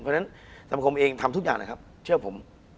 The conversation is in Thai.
เพราะฉะนั้นสมคมทำทุกอย่างนะถ้าเชื่อผม